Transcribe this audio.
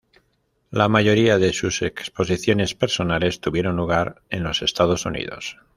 La mayoría de sus exposiciones personales tuvieron lugar en los Estados Unidos.